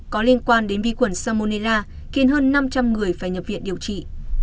có liên quan đến vi khuẩn salmonella khiến hơn năm trăm linh người phải nhập viện điều trị